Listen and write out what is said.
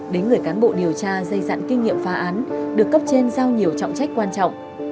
đến người cán bộ điều tra dây dặn kinh nghiệm phá án được cấp trên giao nhiều trọng trách quan trọng